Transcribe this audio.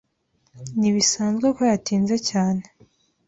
Ntibisanzwe ko yatinze cyane.